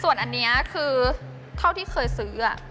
ส่วนอันนี้คือเท่าที่เคยซื้อ